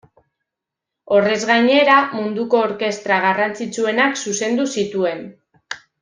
Horrez gainera, munduko orkestra garrantzitsuenak zuzendu zituen.